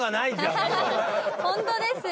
ホントですよ。